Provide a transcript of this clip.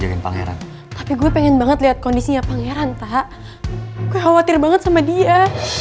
jagain pangeran tapi gue pengen banget lihat kondisinya pangeran tak khawatir banget sama dia